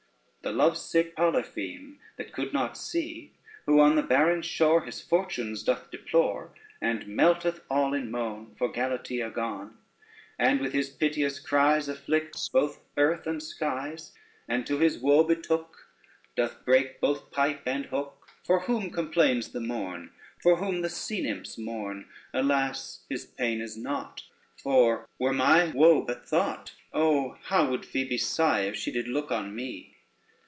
The lovesick Polypheme, that could not see, Who on the barren shore His fortunes doth deplore, And melteth all in moan For Galatea gone, And with his piteous cries Afflicts both earth and skies, And to his woe betook Doth break both pipe and hook, For whom complains the morn, For whom the sea nymphs mourn, Alas, his pain is nought; For were my woe but thought, Oh how would Phoebe sigh if she did look on me!